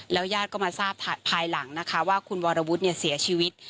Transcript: แล้วย่าดก็มาทราบภายหลังนะคะว่าคุณวรวุฒิเนี่ยเสียชีวิต